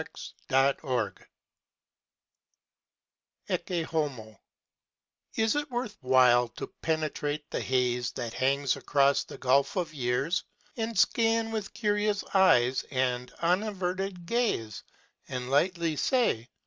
89 ] Ecce Homo Is it worth while to penetrate the haze That hangs across the gulf of years, and scan With curious eyes and unaverted gaze, And lightly say, Lo